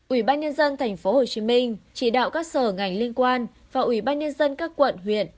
ủy ban nhân dân tp hcm chỉ đạo các sở ngành liên quan và ủy ban nhân dân các quận huyện